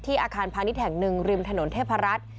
ที่อาคารพาณิชแห่ง๑ริมถนนเทพรัตน์